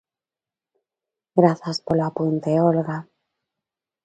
Grazas polo apunte, Olga.